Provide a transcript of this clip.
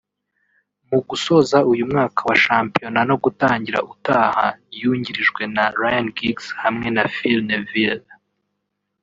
mu gusoza uyu mwaka wa shampiyona no gutangira utaha yungirijwe na Ryan Giggs hamwe na Phil Neville